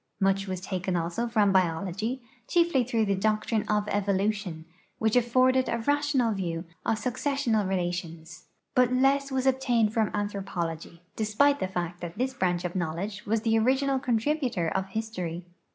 Much was taken also from biology, chiefly through the doctrine of evolution, which afforded a rational view of successional relations; but less was obtained from anthropology, despite the fact that this branch of knowledge was the original contributor of history.